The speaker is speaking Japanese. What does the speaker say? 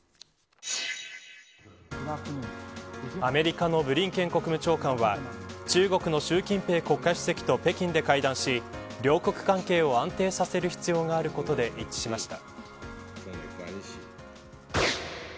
アメリカのブリンケン国務長官は中国の習近平国家主席と北京で会談し両国関係を安定させる必要があることで一致しました。